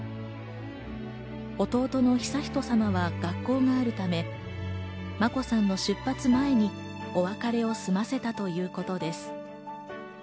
弟の悠仁さまは学校があるため、眞子さんの出発前にお別れを済ませたということです。